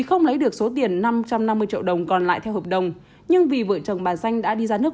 không lấy được số tiền năm trăm năm mươi triệu đồng còn lại theo hợp đồng nhưng vì vợ chồng bà danh đã đi ra nước